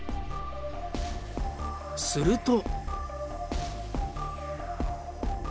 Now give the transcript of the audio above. すると。